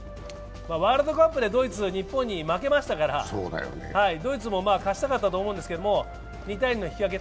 ワールドカップでドイツは日本に負けましたから、ドイツも勝ちたかったと思うんですけれども、２−２の引き分け。